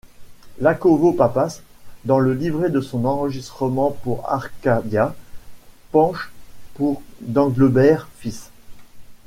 Iakovos Pappas, dans le livret de son enregistrement pour Arkadia, penche pour d'Anglebert fils.